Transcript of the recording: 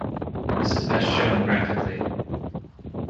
This is best shown graphically.